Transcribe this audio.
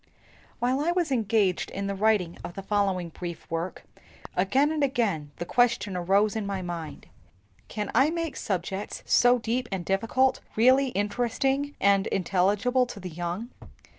WHILE I was engaged in writing the following brief work, again and again the question arose in my mind, "Can I make subjects so deep and difficult really interesting and intelligible to the young?